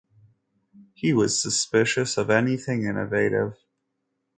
He was suspicious of anything innovative.